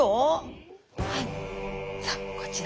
さあこちら。